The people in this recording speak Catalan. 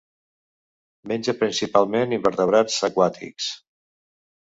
Menja principalment invertebrats aquàtics.